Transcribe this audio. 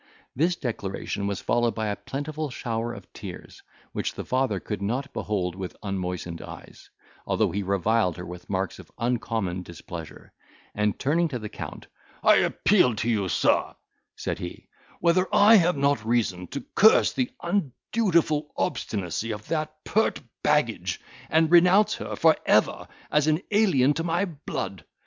This declaration was followed by a plentiful shower of tears, which the father could not behold with unmoistened eyes, although he reviled her with marks of uncommon displeasure; and turning to the Count, "I appeal to you, sir," said he, "whether I have not reason to curse the undutiful obstinacy of that pert baggage, and renounce her for ever as an alien to my blood.